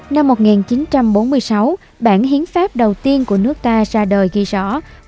năm một nghìn chín trăm bốn mươi sáu bản hiến pháp đầu tiên của nước ta ra đời ghi rõ